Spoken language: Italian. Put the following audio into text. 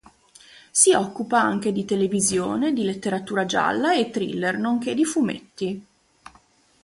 Si occupa anche di televisione, di letteratura gialla e thriller, nonché di fumetti.